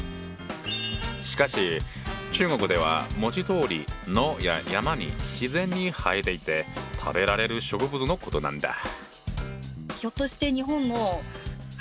しかし中国では文字どおり野や山に自然に生えていて食べられる植物のことなんだ。